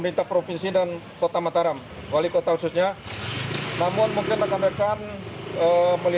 anjurannya menunggu kan daerah yang terkendali